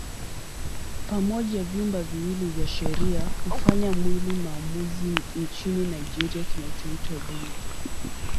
Pamoja vyumba viwili vya sheria hufanya mwili maamuzi nchini Nigeria kinachoitwa Bunge.